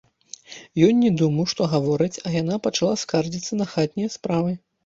Ён не думаў, што гаворыць, а яна пачала скардзіцца на хатнія справы.